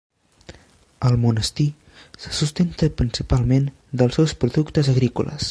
El monestir se sustenta principalment dels seus productes agrícoles.